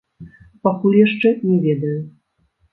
Пакуль яшчэ не ведаю.